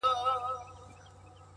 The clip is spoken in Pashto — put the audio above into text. زړه سوي عملونه اوږد مهاله اغېز لري